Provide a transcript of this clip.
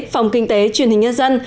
phòng kinh tế truyền hình nhân dân